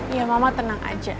iya mama tenang aja